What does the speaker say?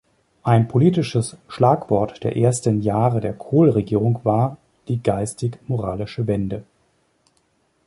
Ein politisches Schlagwort der ersten Jahre der Kohl-Regierung war die "geistig-moralische Wende".